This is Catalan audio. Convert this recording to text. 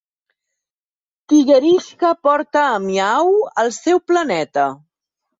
Tigerishka porta a Miaow al seu planeta.